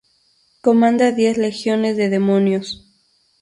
Comanda diez legiones de demonios.